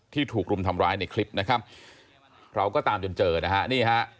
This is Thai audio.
ถูกรุมทำร้ายในคลิปนะครับเราก็ตามจนเจอนะฮะนี่ฮะ